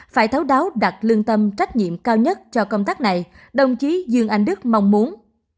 phải thấu đáo đặt lương tâm trách nhiệm cao nhất cho công tác này đồng chí dương anh đức mong muốn